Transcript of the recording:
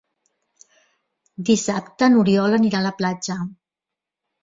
Dissabte n'Oriol anirà a la platja.